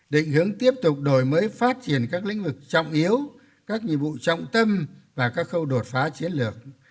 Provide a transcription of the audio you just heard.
định hướng tiếp tục đổi mới phát triển các lĩnh vụ trọng tâm và các khâu đột phá chiến lược